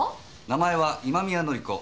名前は今宮典子